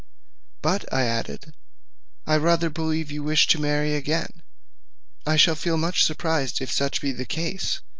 "But," I added, "I rather believe you wish to marry again; I shall feel much surprised if such be the case.